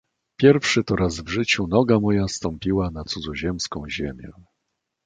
"Pierwszy to raz w życiu noga moja stąpiła na cudzoziemską ziemię."